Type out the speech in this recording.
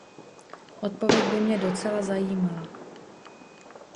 Odpověď by mě docela zajímala.